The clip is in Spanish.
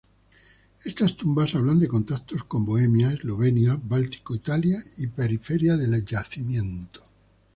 Estas tumbas hablan de contactos con Bohemia, Eslovenia, Báltico, Italia y periferia del yacimiento.